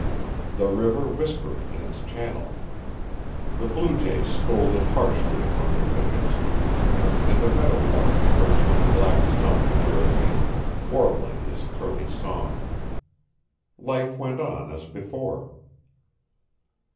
The river whispered in its channel. The blue jays scolded harshly among the thickets, and a meadow lark perched on a black stump near at hand, warbling his throaty song. Life went on as before.